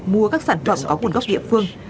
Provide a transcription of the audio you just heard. mua các sản phẩm có nguồn gốc nguyên liệu